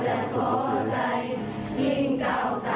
ซึ่งมีชื่อว่าทิงตามตะวันค่ะ